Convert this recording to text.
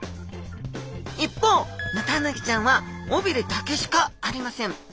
一方ヌタウナギちゃんは尾びれだけしかありません。